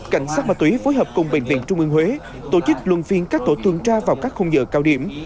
cảnh sát mạc túy phối hợp cùng bệnh viện trung ương huế tổ chức luân phiên các tổ thường tra vào các khung dựa cao điểm